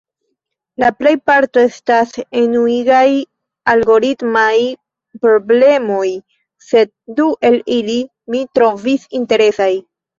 La plejparto estas enuigaj algoritmaj prblemoj, sed du el ili mi trovis interesaj: